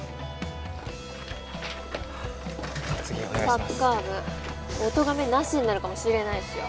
・サッカー部おとがめなしになるかもしれないですよ